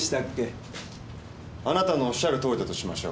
あなたのおっしゃるとおりだとしましょう。